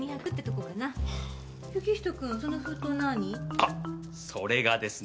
あそれがですね